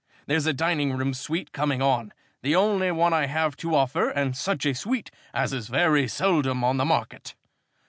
There's a dining room suite coming on, the only one I have to offer, and such a suite as is very seldom on the market.